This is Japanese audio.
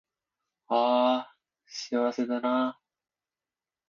あーあ幸せだったなー